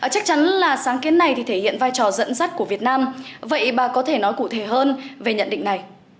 chắc chắn là sáng kiến này thì thể hiện vai trò dẫn dắt của việt nam vậy bà có thể nói cụ thể hơn về nhận định này